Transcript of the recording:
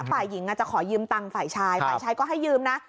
ฝ่ายหญิงจะขอยืมตังค์ฝ่ายชายฝ่ายชายก็ให้ยืมนะ